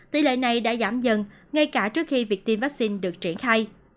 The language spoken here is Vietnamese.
tỷ lệ này đã giảm dần ngay cả trước khi việc tiêm vaccine được triển khai